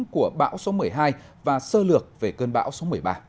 của bão số một mươi hai và sơ lược về cơn bão số một mươi ba